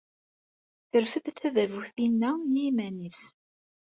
Terfed tadabut-inna i yiman-nnes.